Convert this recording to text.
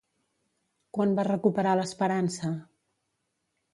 Quan va recuperar l'esperança?